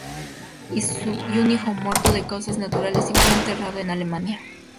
Y un hijo muerto de causas naturales y fue enterrado en Alemania.